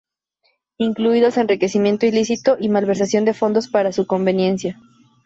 Incluidos enriquecimiento ilícito y malversación de fondos para su conveniencia.